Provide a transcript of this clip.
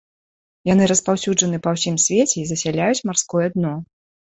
Яны распаўсюджаны па ўсім свеце і засяляюць марское дно.